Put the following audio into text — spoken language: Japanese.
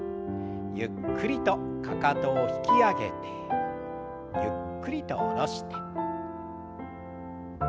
ゆっくりとかかとを引き上げてゆっくりと下ろして。